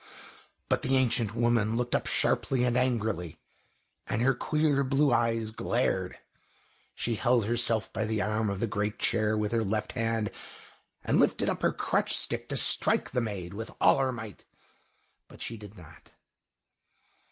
But the ancient woman looked up sharply and angrily, and her queer blue eyes glared. She held herself by the arm of the great chair with her left hand, and lifted up her crutch stick to strike the maid with all her might. But she did not.